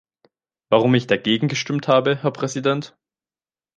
Warum ich dagegen gestimmt habe, Herr Präsident?